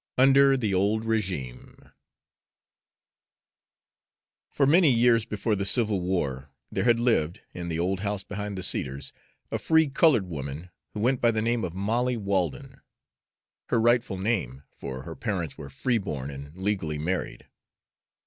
XVIII UNDER THE OLD REGIME For many years before the civil war there had lived, in the old house behind the cedars, a free colored woman who went by the name of Molly Walden her rightful name, for her parents were free born and legally married.